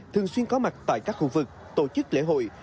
thường xuyên có mặt tại các khu vực tổ chức lễ hội